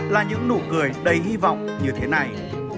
là những nụ cười đầy hy vọng như thế này